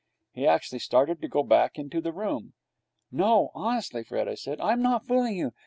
He actually started to go back into the room. 'No, honestly, Fred,' I said, 'I'm not fooling you.